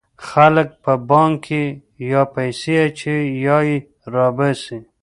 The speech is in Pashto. خلک په بانک کې یا پیسې اچوي یا یې را باسي.